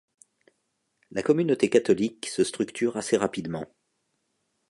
La communauté catholique se structure assez rapidement.